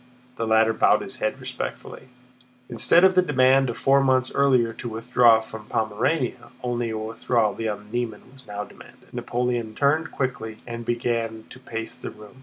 The latter bowed his head respectfully. Instead of the demand of four months earlier to withdraw from Pomerania, only a withdrawal beyond the Niemen was now demanded. Napoleon turned quickly and began to pace the room.